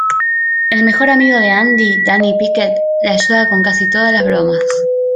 El mejor amigo de Andy, Danny Pickett, le ayuda con casi todas las bromas.